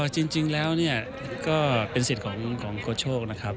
จริงแล้วเนี่ยก็เป็นสิทธิ์ของโค้ชโชคนะครับ